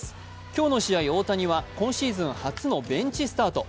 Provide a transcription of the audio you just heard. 今日の試合、大谷は今シーズン初のベンチスタート。